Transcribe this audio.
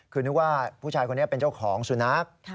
คือนึกว่าผู้ชายคนนี้เป็นเจ้าของสุนัข